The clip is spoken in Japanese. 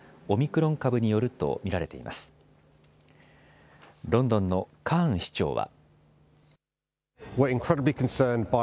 ロンドンのカーン市長は。